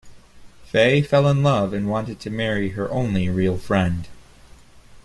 Fei fell in love and wanted to marry her only real friend.